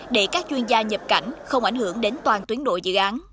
để các chuyên gia nhập cảnh không ảnh hưởng đến toàn tuyến đội dự án